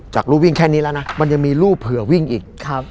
จากรูปวิ่งแค่นี้แล้วนะมันยังมีรูปเผื่อวิ่งอีก